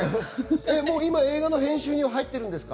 今、映画の編集に入ってるんですか？